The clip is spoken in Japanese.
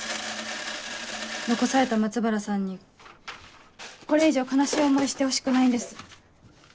残された松原さんにこれ以上悲しい思いしてほしくないんです。